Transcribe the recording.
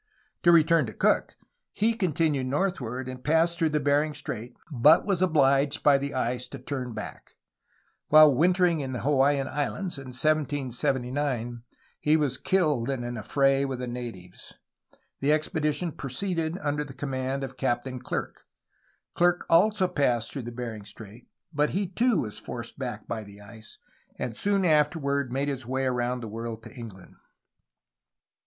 To return to Cook, he continued northward, and passed through Bering Strait, but was obliged by the ice to turn back. While wintering in the Hawaiian Islands in 1779 he was killed in an affray with the natives. The expedition proceeded under the command of Captain Clerke. Clerke also passed through Bering Strait, but he too was forced back by the ice, and soon afterward made his way around the world to England.